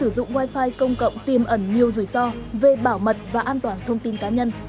mạng wifi công cộng tiêm ẩn nhiều rủi ro về bảo mật và an toàn thông tin cá nhân